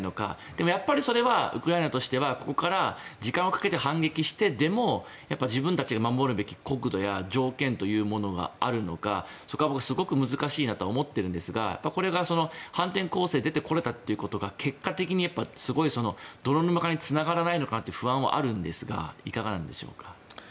でもやっぱりそれはウクライナとしてはここから時間をかけて反撃してでも自分たちが守るべき国土や条件があるのかそこが難しいなと思っているんですがこれが反転攻勢に出てこれたということが結果的にすごい泥沼化につながらないのかという不安もありますが、いかがですか。